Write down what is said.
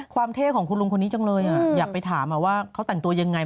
เท่ของคุณลุงคนนี้จังเลยอยากไปถามว่าเขาแต่งตัวยังไง